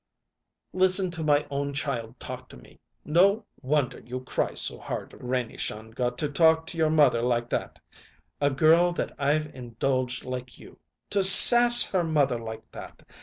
"Listen to my own child talk to me! No wonder you cry so hard, Renie Shongut, to talk to your mother like that a girl that I've indulged like you. To sass her mother like that!